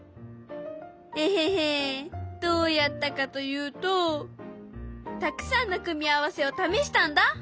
エヘヘどうやったかというとたくさんの組み合わせを試したんだ！